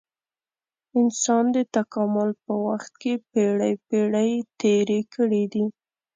انسان د تکامل په وخت کې پېړۍ پېړۍ تېرې کړې دي.